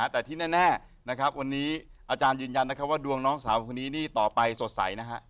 แต่ที่แน่นะครับวันนี้อาจารย์ยืนยันนะครับว่าดวงน้องสาวคนนี้นี่ต่อไปสดใสนะฮะ